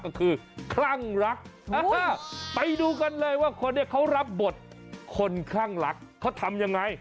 ก็คือคลั่งรักไปดูกันเลยว่าคนนี้เขารับบทคนคลั่งรักเขาทำยังไง